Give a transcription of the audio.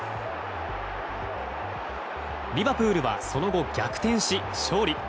リバプールはその後、逆転し勝利。